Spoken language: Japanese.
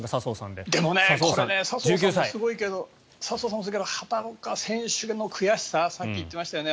でも、これ笹生さんもすごいけど畑岡選手の悔しささっき言ってましたよね。